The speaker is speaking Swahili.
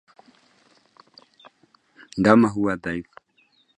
Ndama huwa dhaifu